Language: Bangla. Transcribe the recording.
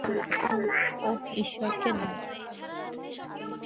ওহ, ঈশ্বরকে ধন্যবাদ!